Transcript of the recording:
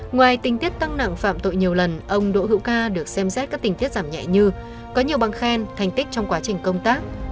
ngoài tình tiết tăng nặng phạm tội nhiều lần ông đỗ hữu ca được xem xét các tình tiết giảm nhẹ như có nhiều bằng khen thành tích trong quá trình công tác